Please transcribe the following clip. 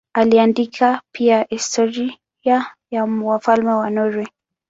Aliandika pia historia ya wafalme wa Norwei.